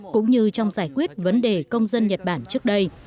cũng như trong giải quyết vấn đề công dân nhật bản trước đây